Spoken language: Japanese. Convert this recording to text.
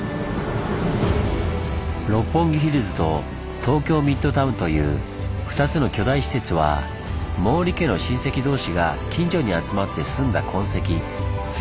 六本木ヒルズと東京ミッドタウンという２つの巨大施設は毛利家の親戚同士が近所に集まって住んだ痕跡。